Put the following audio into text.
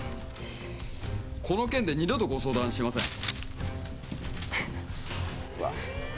「この件で二度とご相談しません」